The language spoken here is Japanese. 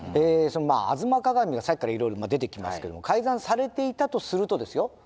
そのまあ「吾妻鏡」がさっきからいろいろ出てきますけども改ざんされていたとするとですよ